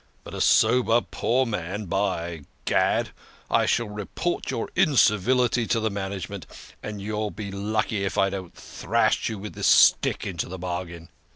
But a sober, poor man by gad ! I shall report your incivility to the management, and you'll be lucky if I don't thrash you with this stick into the bargain."